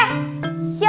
oh r bajo dia